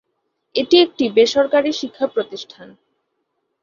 এটি একটি বেসরকারি শিক্ষা প্রতিষ্ঠান।